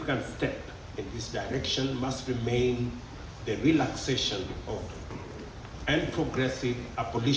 langkah yang penting di arah ini harus tetap adalah relaksasi dan kembali kembali